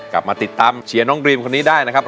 กลับมาติดตามเชียร์น้องดรีมคนนี้ได้นะครับ